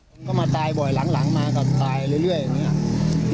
มันก็มาตายบ่อยหลังมาก็ตายเรื่อยอย่างนี้